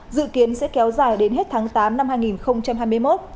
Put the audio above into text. dự kiến sẽ kéo dài đến hết tháng tám năm hai nghìn hai mươi một